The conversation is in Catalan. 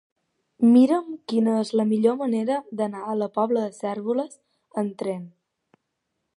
Mira'm quina és la millor manera d'anar a la Pobla de Cérvoles amb tren.